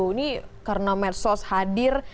ini karena medsos hadir